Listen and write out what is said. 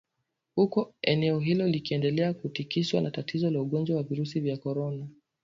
huku eneo hilo likiendelea kutikiswa na tatizo la ugonjwa wa virusi vya korona